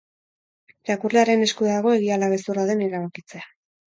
Irakurlearen esku dago egia ala gezurra den erabakitzea.